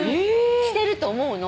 してると思うの。